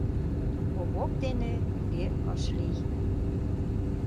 Овоп дене туге ыш лий.